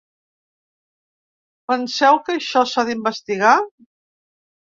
Penseu que això s’ha d’investigar?